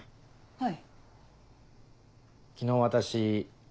はい。